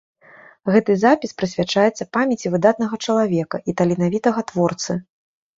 Гэты запіс прысвячаецца памяці выдатнага чалавека і таленавітага творцы.